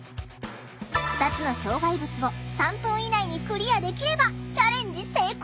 ２つの障害物を３分以内にクリアできればチャレンジ成功！